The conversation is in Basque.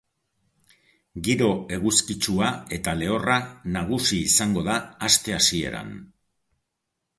Giro eguzkitsua eta lehorra nagusi izango da aste hasieran.